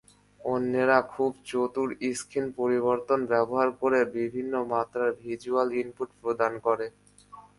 অন্যেরা খুব চতুর স্ক্রিন পরিবর্তন ব্যবহার করে বিভিন্ন মাত্রার ভিজ্যুয়াল ইনপুট প্রদান করে।